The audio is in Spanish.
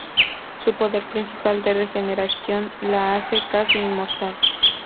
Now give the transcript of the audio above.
Su poder principal de regeneración la hace casi inmortal.